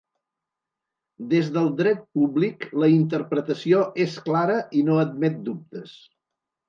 Des del dret públic la interpretació és clara i no admet dubtes.